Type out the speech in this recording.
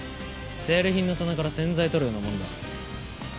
セール品の棚から洗剤取るようなもんだ。